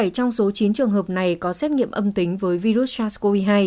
bảy trong số chín trường hợp này có xét nghiệm âm tính với virus sars cov hai